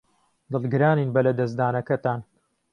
دڵگرانین بە لەدەستدانەکەتان.